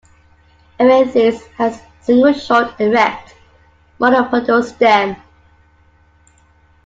"Aeranthes" has a single short, erect, monopodial stem.